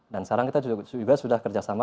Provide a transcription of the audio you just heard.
sekarang kita juga sudah kerjasama